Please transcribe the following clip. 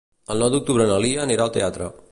El nou d'octubre na Lia anirà al teatre.